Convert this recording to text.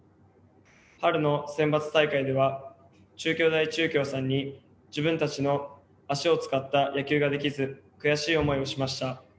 春のセンバツ大会では中京大中京さんに自分たちの足を使った野球ができず悔しい思いをしました。